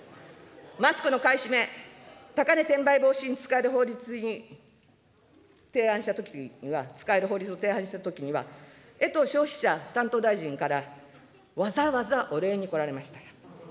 マスクの買い占め、高値転売防止に使える法律に提案したときには、使える法律を提案したときには、衛藤消費者担当大臣からわざわざお礼に来られました。